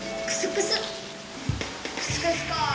クスクスか。